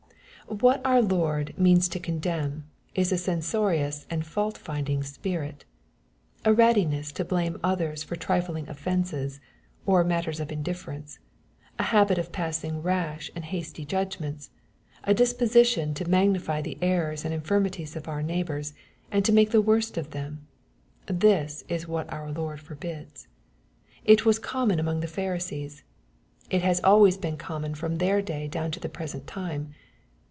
What our Lord means to condemn is a censorious and fauU'finding spirit. A readiness to blame others for trifling ofiences, or matters of indifference — a habit of passing rash and hasty judgments — ^a disposition to magnify the errors and infirmities of our neighbors, and make the worst of them — this is what our Lord forbids. Il was common among the Pharisees. It has MATTHEW, CHAP. VII. 68 always been common from their day down to the present time.